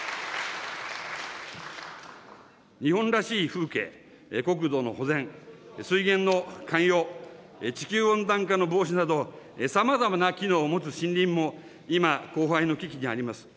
日本らしい風景、国土の保全、水源のかんよう、地球温暖化の防止など、さまざまな機能を持つ森林も今、荒廃の危機にあります。